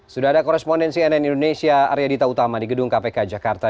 sudah ada korespondensi nn indonesia arya dita utama di gedung kpk jakarta